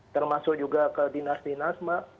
termasuk juga ke dinas dinas mbak